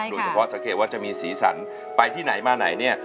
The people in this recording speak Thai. โดยเฉพาะจะเห็นสีสันไปที่ไหนมาไหนเนี่ย